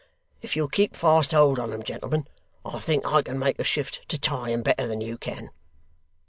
If you'll keep fast hold on 'em, gentlemen, I think I can make a shift to tie 'em better than you can.